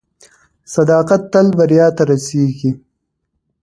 صداقت تل بریا ته رسیږي.